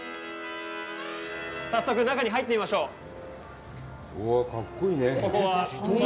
早速、中に入ってみましょう。